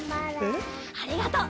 ありがとう！